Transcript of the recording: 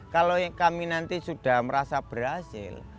kalau kami nanti sudah merasa berhasil